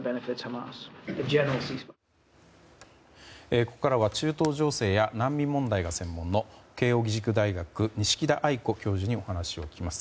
ここからは中東情勢や難民問題が専門の慶應義塾大学、錦田愛子教授にお話を伺います。